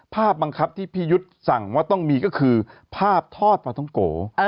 บังคับที่พี่ยุทธ์สั่งว่าต้องมีก็คือภาพทอดปลาท้องโก